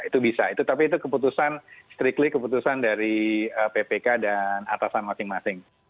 itu bisa tapi itu keputusan strictly keputusan dari ppk dan atasan masing masing